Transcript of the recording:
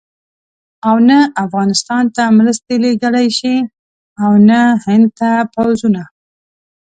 او نه افغانستان ته مرستې لېږلای شي او نه هند ته پوځونه.